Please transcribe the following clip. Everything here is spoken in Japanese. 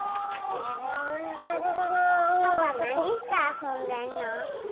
パパ、何して遊んでるの？